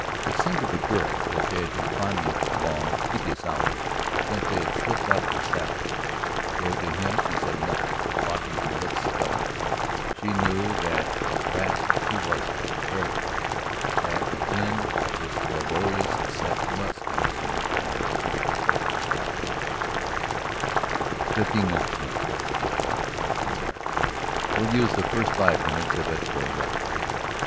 It seemed to the girl that they had been climbing for long, tedious hours since they had slipped out of their saddles; though to him she said nothing, locking her lips stubbornly, she knew that at last she was tired, very tired, that an end of this laborious ascent must come soon or she would be forced to stop and lie down and rest. "Fifteen minutes more," said the sheriff, "and we're there. We'll use the first five minutes of it for a rest, too."